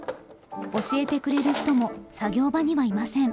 教えてくれる人も作業場にはいません。